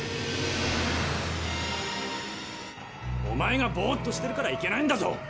おまえがぼっとしてるからいけないんだぞ！